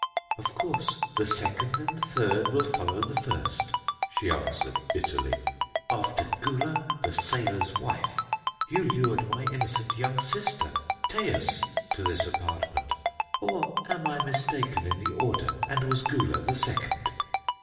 "Of course, the second and third will follow the first," she answered bitterly. "After Gula, the sailor's wife, you lured my innocent young sister, Taus, to this apartment; or am I mistaken in the order, and was Gula the second?"